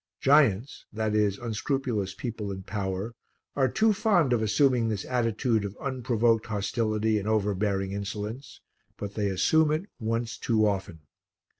Giants, that is, unscrupulous people in power, are too fond of assuming this attitude of unprovoked hostility and overbearing insolence, but they assume it once too often.